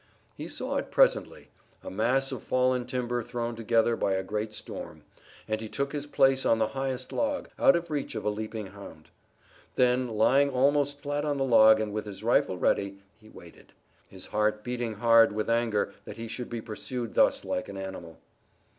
He saw it presently, a mass of fallen timber thrown together by a great storm, and he took his place on the highest log, out of reach of a leaping hound. Then, lying almost flat on the log and with his rifle ready, he waited, his heart beating hard with anger that he should be pursued thus like an animal.